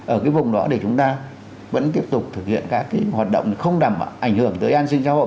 ở cái vùng đó để chúng ta vẫn tiếp tục thực hiện các hoạt động không đảm bảo ảnh hưởng tới an sinh xã hội